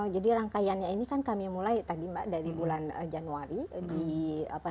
jadi rangkaiannya ini kan kami mulai tadi mbak dari bulan januari di kurasi